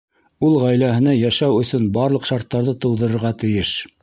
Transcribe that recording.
Ул ғаиләһенә йәшәү өсөн барлыҡ шарттарҙы тыуҙырырға тейеш.